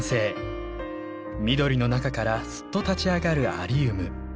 緑の中からすっと立ち上がるアリウム。